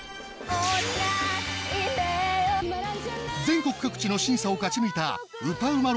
全国各地の審査を勝ち抜いた歌うま